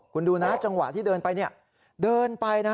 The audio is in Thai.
คุณดูนะจังหวะที่เดินไป